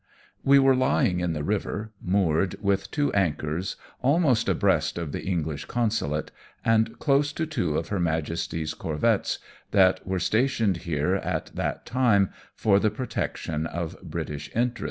We are lying in the river, moored with two anchors, almost abreast of the English Consulate, and close to two of her Majesty's corvettes, that were stationed here at that time, for the protection of British interests.